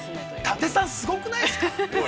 ◆伊達さん、すごくないですか？